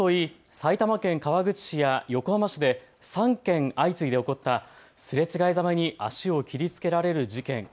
埼玉県川口市や横浜市で３件相次いで起こったすれ違いざまに足を切りつけられる事件。